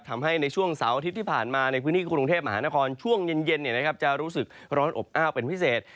ทำให้ในช่วงเสาร์อาทิตย์ที่ผ่านมาในพื้นที่กรุงเทพมหานครช่วงเย็นจะรู้สึกร้อนอบอ้าวเป็นพิเศษ